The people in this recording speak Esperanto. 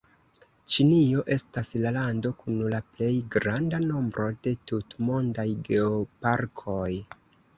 Ĉinio estas la lando kun la plej granda nombro de tutmondaj geoparkoj.